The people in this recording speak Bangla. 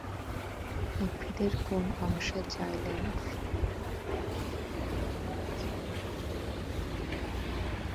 উদ্ভিদের কোন অংশে জাইলেন-ফ্লোয়েম একই ব্যাসার্ধে থেকে ভাস্কুলার বান্ডল গঠন করে?